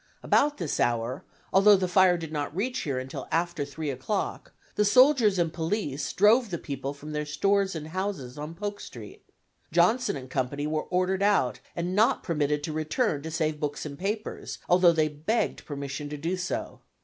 About this hour, although the fire did not reach here until after 3 o'clock, the soldiers and police drove the people from their stores and houses on Polk Street. Johnson & Co. were ordered out and not permitted to return to save books and papers, although they begged permission to do so.